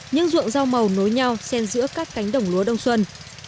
những ruộng rau màu nối nhau sen giữa các cánh đồng lúa đông xuân